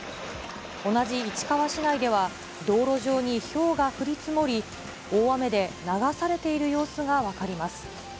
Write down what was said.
同じ市川市内では、道路上にひょうが降り積もり、大雨で流されている様子が分かります。